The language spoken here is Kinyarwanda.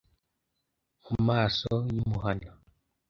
Mu maso y'i Muhana